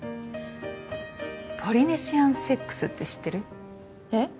ポリネシアンセックスって知ってる？えっ？